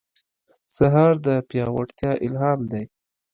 سهار د پیاوړتیا الهام دی.